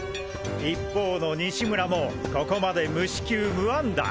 一方の西村もここまで無四球無安打！